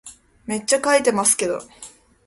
めっちゃ書いてますけど